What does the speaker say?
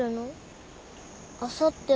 あさっては？